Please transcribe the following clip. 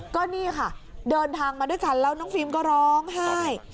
ก็นี่ค่ะเดินทางมาด้วยกันแล้วน้องฟิล์มก็ร้องไห้